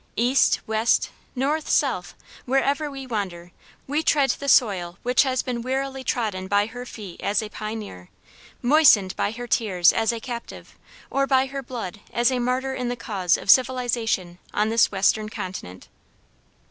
East, west, north, south, wherever we wander, we tread the soil which has been wearily trodden by her feet as a pioneer, moistened by her tears as a captive, or by her blood as a martyr in the cause of civilization on this western continent.